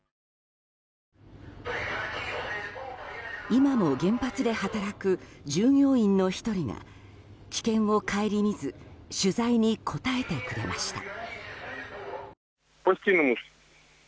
今も原発で働く従業員の１人が危険を顧みず取材に答えてくれました。